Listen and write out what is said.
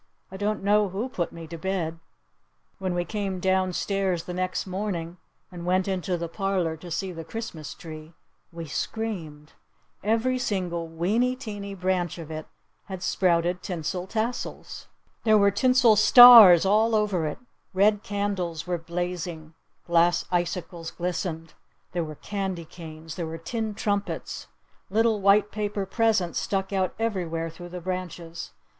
I don't know who put me to bed. When we came down stairs the next morning and went into the parlor to see the Christmas tree we screamed! Every single weeney teeny branch of it had sprouted tinsel tassels! There were tinsel stars all over it! Red candles were blazing! Glass icicles glistened! There were candy canes! There were tin trumpets! Little white paper presents stuck out everywhere through the branches!